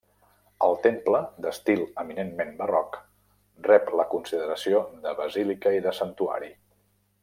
El temple, d'estil eminentment barroc, rep la consideració de basílica i de santuari.